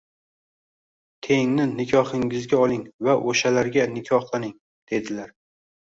Tengni nikohingizga oling va o‘shalarga nikohlaning’’, dedilar